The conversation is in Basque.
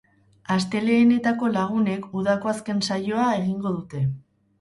Astelehenetako lagunek udako azken saioa egingo dute.